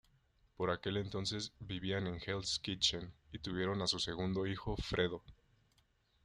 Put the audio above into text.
Por aquel entonces vivían en Hell's Kitchen y tuvieron a su segundo hijo Fredo.